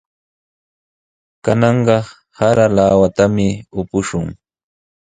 Kananqa sara lawatami upushun.